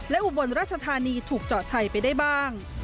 อุบลราชธานีถูกเจาะชัยไปได้บ้าง